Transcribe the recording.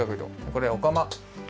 これおかま。